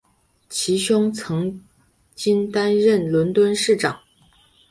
其兄曾经担任伦敦市长。